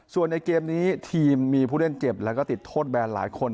ส่วนในเกมนี้ทีมมีผู้เล่นเจ็บแล้วก็ติดโทษแบนหลายคน